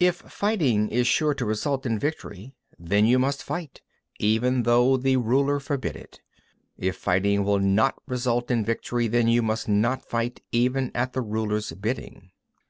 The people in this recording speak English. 23. If fighting is sure to result in victory, then you must fight, even though the ruler forbid it; if fighting will not result in victory, then you must not fight even at the ruler's bidding.